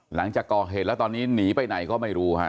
หลังจากก่อเหตุแล้วตอนนี้หนีไปไหนก็ไม่รู้ฮะ